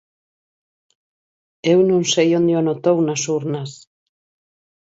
Eu non sei onde o notou nas urnas.